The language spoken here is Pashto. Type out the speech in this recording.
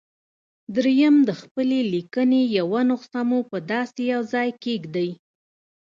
درېيم د خپلې ليکنې يوه نسخه مو په داسې يوه ځای کېږدئ.